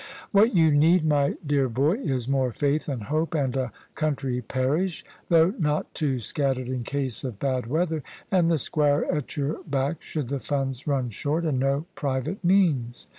"What you need, my dear boy, is more faith and hope and a country parish, though not too scattered in case of bad weather, and the Squire at your back should the funds run short and no private means."